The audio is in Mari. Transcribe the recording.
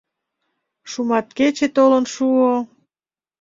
Шуматкече толын шуо.